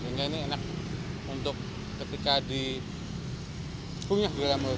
sehingga ini enak untuk ketika dipungnyah di dalam mulut